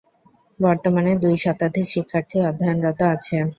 বর্তমানে দুই শতাধিক শিক্ষার্থী অধ্যয়নরত আছে।